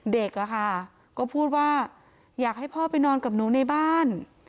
เด็กอะค่ะก็พูดว่าอยากให้พ่อไปนอนกับหนูในบ้าน